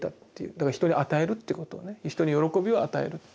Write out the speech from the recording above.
だから人に与えるっていうことをね人に喜びを与えるっていうんですかね